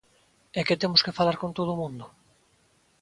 ¿E que temos que falar con todo o mundo?